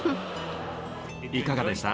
いかがでした？